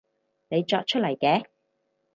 你作出嚟嘅